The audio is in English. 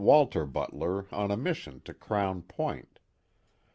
Walter Butler on a mis sion to Crown Point.